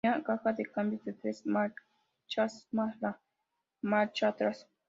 Tenía caja de cambios de tres marchas más la marcha atrás.